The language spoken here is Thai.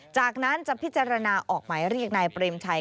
จากนั้นจะพิจารณาออกหมายเรียกนายเปรมชัย